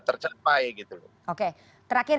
tercapai gitu oke terakhir